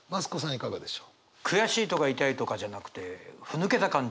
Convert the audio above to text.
いかがでしょう。